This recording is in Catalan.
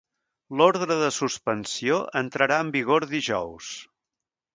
L'ordre de suspensió entrarà en vigor dijous.